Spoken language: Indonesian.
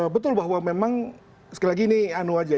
betul bahwa memang sekali lagi ini anu aja